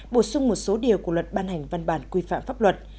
bổ sung một số điều của luật ban hành văn bản quy phạm pháp luật